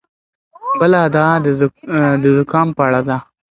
بله ادعا د زکام په اړه ده.